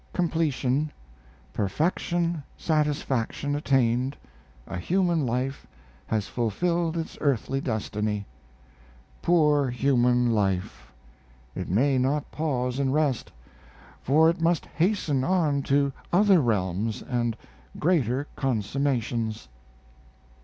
Completion; perfection, satisfaction attained a human life has fulfilled its earthly destiny. Poor human life! It may not pause and rest, for it must hasten on to other realms and greater consummations.